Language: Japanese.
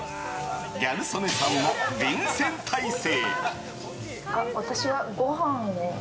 ギャル曽根さんも臨戦態勢。